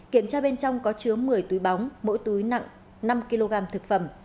kiểm tra bên trong có chứa một mươi túi bóng mỗi túi nặng năm kg thực phẩm